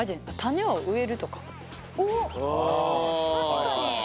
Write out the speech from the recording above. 確かに！